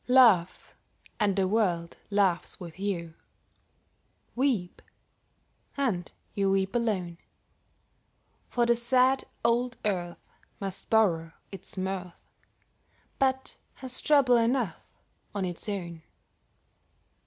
Laugh, and the world laughs with you; Weep, and you weep alone; For the sad old earth must borrow its mirth, But has trouble enough of its own.